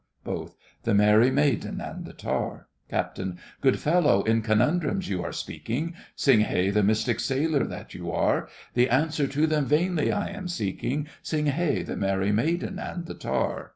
BOTH. The merry maiden and the tar. CAPT. Good fellow, in conundrums you are speaking, Sing hey, the mystic sailor that you are; The answer to them vainly I am seeking; Sing hey, the merry maiden and the tar.